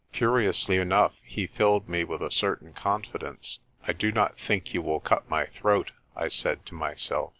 Curiously enough he filled me with a certain confidence. "I do not think you will cut my throat," I said to myself.